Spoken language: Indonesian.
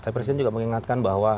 tapi presiden juga mengingatkan bahwa